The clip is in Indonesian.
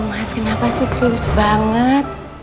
mas kenapa sih serius banget